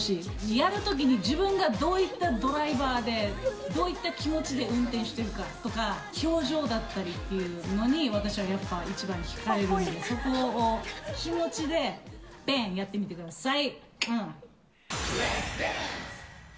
やるときに自分がどういったドライバーで、どういった気持ちで運転してるかとか、表情だったりっていうのに、私はやっぱ一番引かれるんで、そこを、気持ちでやってみてください。